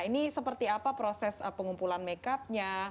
ini seperti apa proses pengumpulan makeupnya